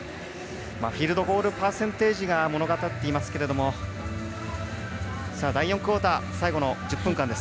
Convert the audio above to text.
フィールドゴールパーセンテージが物語っていますけれども第４クオーター最後の１０分間です。